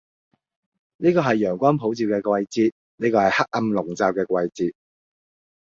呢個係陽光普照嘅季節，呢個係黑暗籠罩嘅季節，